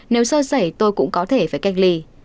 nếu sơ sẩy tôi cũng có thể phải cách ly